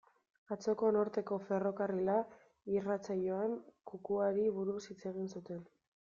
Atzoko Norteko Ferrokarrila irratsaioan, kukuari buruz hitz egin zuten.